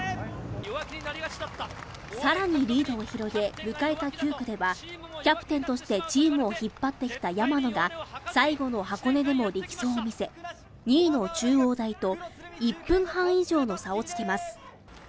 さらにリードを広げ迎えた９区ではキャプテンとしてチームを引っ張ってきた山野が最後の箱根でも力走を見せ２位の中央大と１分半以上の差をつけます。